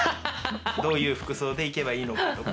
どういう服装で行けばいいのかとか。